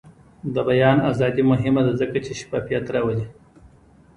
د بیان ازادي مهمه ده ځکه چې شفافیت راولي.